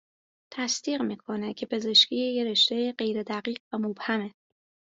تصدیق میکنه که پزشکی یک رشته غیر دقیق و مبهمه